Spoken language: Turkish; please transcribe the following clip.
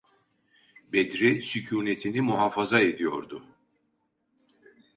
Bedri sükûnetini muhafaza ediyordu.